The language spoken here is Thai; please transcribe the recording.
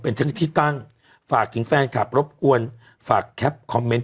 เป็นทางที่ตั้งฝากทิ้งแฟนจากรบกวนฝากแคปคอมเมนท์